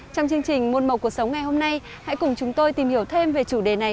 trong chương trình môn màu cuộc sống ngày hôm nay hãy cùng chúng tôi tìm hiểu thêm về chủ đề này